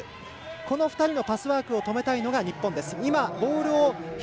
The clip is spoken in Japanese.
この２人のパスワークを止めたい日本。